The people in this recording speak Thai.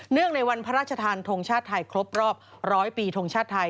ในวันพระราชทานทงชาติไทยครบรอบร้อยปีทงชาติไทย